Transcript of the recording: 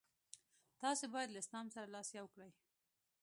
تاسي باید له اسلام سره لاس یو کړئ.